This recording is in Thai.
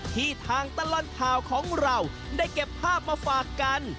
ที่ทางตลอดข่าวของเราได้เก็บภาพมาฝากกัน